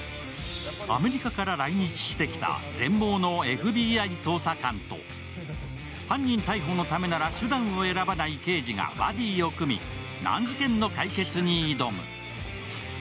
アメリカから来日してきた全盲のＦＢＩ捜査官と犯人逮捕のためなら手段を選ばない刑事がバディを組み、難事件の解決に挑む。